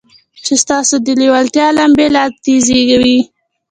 چې ستاسې د لېوالتیا لمبې لا تېزوي.